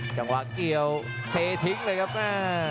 จังหวะเกี่ยวเททิ้งเลยครับแม่